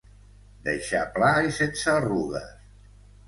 Deixar pla i sense arrugues.